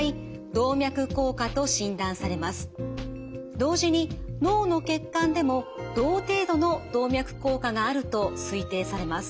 同時に脳の血管でも同程度の動脈硬化があると推定されます。